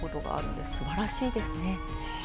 すばらしいですね。